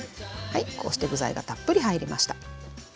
はいこうして具材がたっぷり入りました。